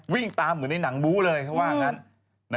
วิ่งตามเหมือนในหนังบู้เลยเขาว่างั้น